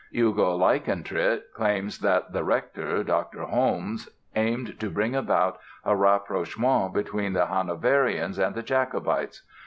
Hugo Leichtentritt claims that the Rector, Dr. Holmes, aimed to bring about a rapprochement between the Hanoverians and the Jacobites.